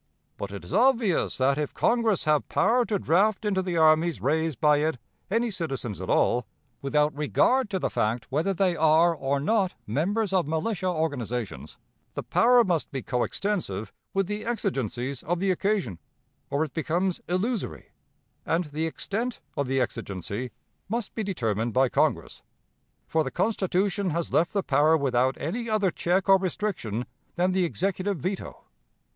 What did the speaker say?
But it is obvious that, if Congress have power to draft into the armies raised by it any citizens at all (without regard to the fact whether they are, or not, members of militia organizations), the power must be coextensive with the exigencies of the occasion, or it becomes illusory; and the extent of the exigency must be determined by Congress; for the Constitution has left the power without any other check or restriction than the Executive veto.